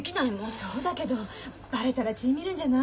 そうだけどバレたら血ぃ見るんじゃない？